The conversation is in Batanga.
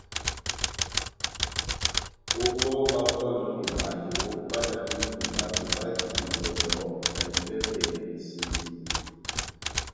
Ó bɔ́ báhákɔnɔni bato, báhájandini bato bajini dɔdɔ na ivɛbɛ episeyo.